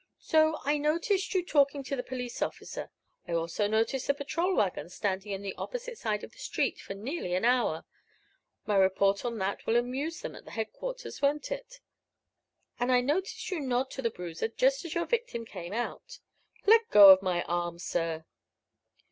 So I noticed you talking to the police officer; I also noticed the patrol wagon standing on the opposite side of the street for nearly an hour my report on that will amuse them at headquarters, won't it? And I noticed you nod to the bruiser, just as your victim came out." "Let go of my arm, sir!"